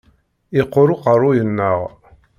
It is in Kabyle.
Yeqqur uqerruy-nneɣ.